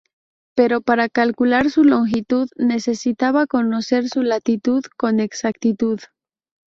Pero para calcular su longitud, necesitaba conocer su latitud con exactitud.